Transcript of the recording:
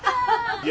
いや